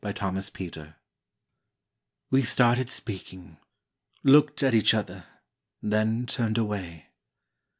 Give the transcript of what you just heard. THE MEETING We started speaking, Looked at each other, then turned away.